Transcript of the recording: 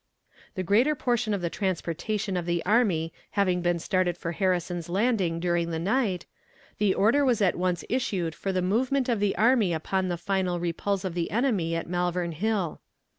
The greater portion of the transportation of the army having been started for Harrison's Landing during the night, the order was at once issued for the movement of the army upon the final repulse of the enemy at Malvern Hill.